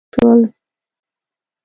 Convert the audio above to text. د همهغې ورځې په ماښام مشران سره ټول شول